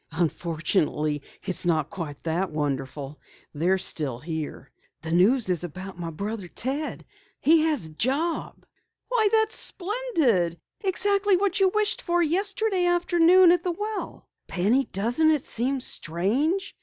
"Unfortunately, it's not quite that wonderful. They're still here. This news is about my brother, Ted. He has a job!" "Why, that's splendid. Exactly what you wished for yesterday afternoon at the well." "Penny, doesn't it seem strange?"